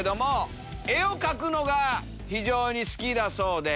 絵を描くのが非常に好きだそう。